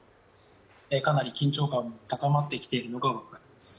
かなり緊張感、高まってきているのが分かります。